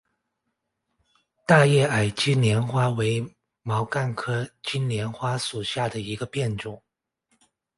大叶矮金莲花为毛茛科金莲花属下的一个变种。